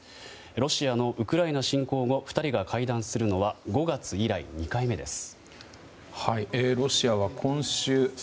ロシアのウクライナ侵攻後２人が会談するのは５月以来２回目です。